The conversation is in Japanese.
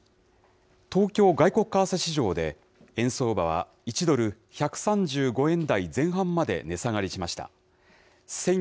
東京外国為替市場で、円相場は１ドル１３５円台前半まで値下がりしました。